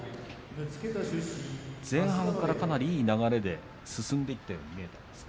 前半から、かなりいい流れで進んでいったように見えたんですか。